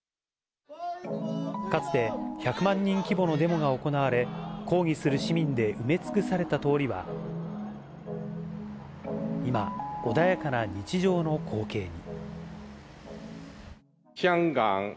かつて、１００万人規模のデモが行われ、抗議する市民で埋め尽くされた通りは、今、穏やかな日常の光景に。